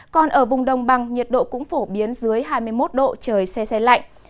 còn ở vùng đông bằng nhiệt độ cũng phổ biến dưới hai mươi một độ trời xe xe lạnh